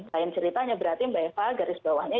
lain ceritanya berarti mbak eva garis bawahnya